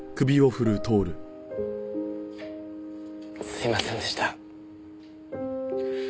すいませんでした。